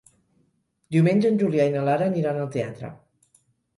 Diumenge en Julià i na Lara aniran al teatre.